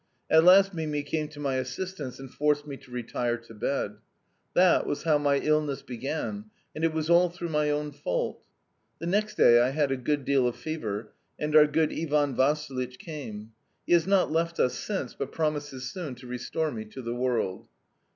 At last Mimi came to my assistance and forced me to retire to bed. That was how my illness began, and it was all through my own fault. The next day I had a good deal of fever, and our good Ivan Vassilitch came. He has not left us since, but promises soon to restore me to the world.